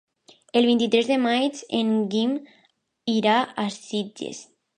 El vint-i-tres de maig en Guim irà a Sitges.